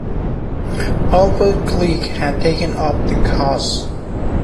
Albert Cleage had taken up the cause.